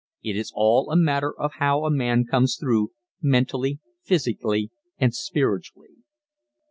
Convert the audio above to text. It is all a matter of how a man comes through, mentally, physically and spiritually.